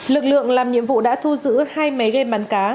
lực lượng làm nhiệm vụ đã thu giữ hai máy game bắn cá